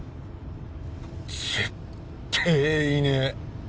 絶対いねえ！